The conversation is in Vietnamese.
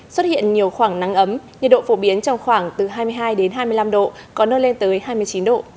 xuất hiện nhiều khoảng nắng ấm nhiệt độ phổ biến trong khoảng từ hai mươi hai đến hai mươi năm độ có nơi lên tới hai mươi chín độ